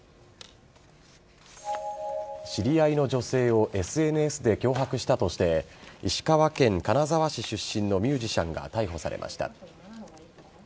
知り合いの女性をＳＮＳで脅迫したとして石川県金沢市出身のミュージシャンが逮捕されました。